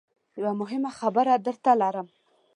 یوه مهمه خبره درته لرم .